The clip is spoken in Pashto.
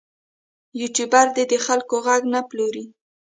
یوټوبر دې د خلکو غږ نه پلوري.